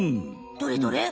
どれどれ？